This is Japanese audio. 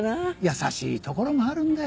優しいところもあるんだよ。